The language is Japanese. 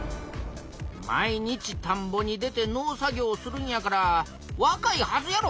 毎日たんぼに出て農作業するんやからわかいはずやろ。